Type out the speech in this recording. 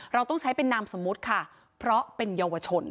เราต้องใช้เป็นนามสมมุติค่ะเพราะเป็นเยาวชน